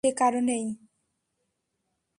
ও একা বসে ছিল, সেকারণেই।